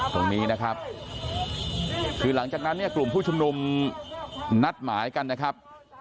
ตรงนี้นะครับคือหลังจากนั้นเนี่ยกลุ่มผู้ชุมนุมนัดหมายกันนะครับ